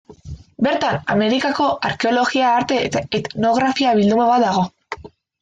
Bertan, Amerikako arkeologia, arte eta etnografia bilduma bat dago.